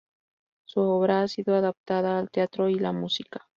Su obra ha sido adaptada al teatro y la música.